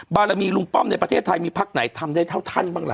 บารมีลุงป้อมในประเทศไทยมีพักไหนทำได้เท่าท่านบ้างล่ะ